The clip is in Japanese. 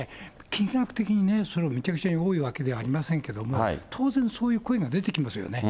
金額的にね、むちゃくちゃに多いわけではありませんけど、当然そういう声が出てきますよね。